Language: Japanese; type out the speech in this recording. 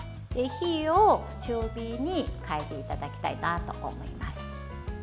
火を中火に変えていただきたいなと思います。